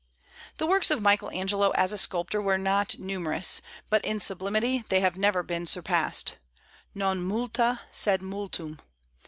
The works of Michael Angelo as a sculptor were not numerous, but in sublimity they have never been surpassed, non multa, sed multum.